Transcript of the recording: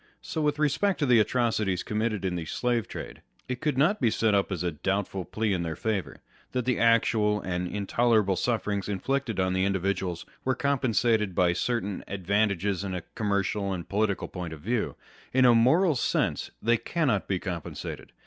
So with respect to the atrocities committed in the slave trade, it could not be set up as a doubtful plea in their favour, that the actual and intolerable sufferings inflicted on the indi viduals were compensated by certain advantages in a com mercial and political point of view â€" in a moral sense they cannot be compensated.